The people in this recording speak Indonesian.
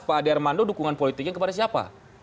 pak ade armando dukungan politiknya kepada siapa